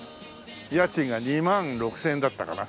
家賃が２万６０００円だったかな？